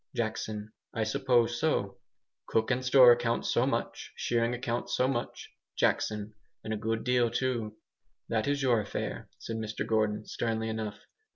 Jackson. "I suppose so." "Cook and store account, so much; shearing account so much." Jackson. "And a good deal too." "That is your affair," said Mr Gordon, sternly enough.